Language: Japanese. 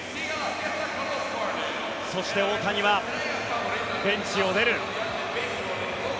そして大谷はベンチを出る。